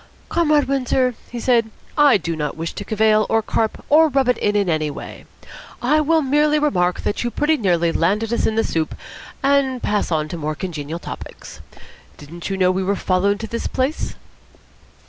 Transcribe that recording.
"Comrade Windsor," he said, "I do not wish to cavil or carp or rub it in in any way. I will merely remark that you pretty nearly landed us in the soup, and pass on to more congenial topics. Didn't you know we were followed to this place?"